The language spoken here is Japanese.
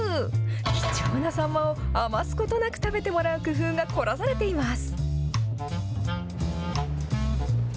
貴重なサンマを余すことなく食べてもらう工夫が凝らされています。